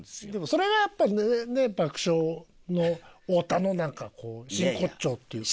それがやっぱり爆笑の太田のなんかこう真骨頂っていうか。